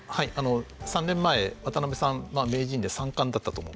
３年前渡辺さんは名人で三冠だったと思います。